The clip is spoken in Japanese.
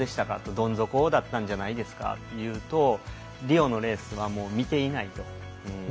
どん底だったんじゃないですかというとリオのレースは見ていないと。